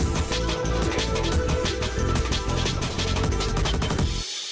โปรดติดตามตอนต่อไป